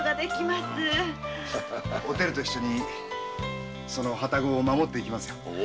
おてると一緒に旅籠を守っていきますよ。